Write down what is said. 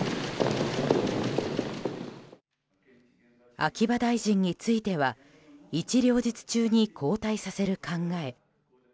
秋葉大臣については一両日中に交代させる考え。